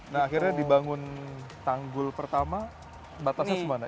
nah akhirnya dibangun tanggul pertama batasnya semana